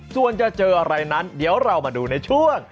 ส่วนจะเจออะไรนั้นเดี๋ยวเรามาดูในช่วง